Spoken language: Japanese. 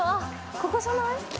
ここじゃない？